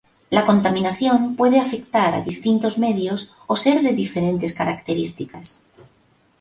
La contaminación puede afectar a distintos medios o ser de diferentes características.